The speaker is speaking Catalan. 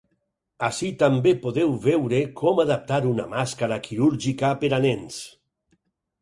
Ací també podeu veure com adaptar una màscara quirúrgica per a nens.